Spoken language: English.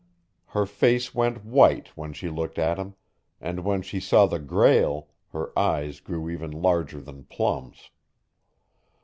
Her face went white when she looked at him, and when she saw the Grail, her eyes grew even larger than plums.